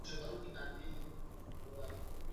Yeye hajui anakoishi ni mahali gani